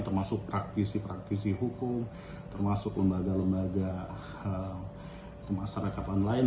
termasuk praktisi praktisi hukum termasuk lembaga lembaga pemasarakatan lain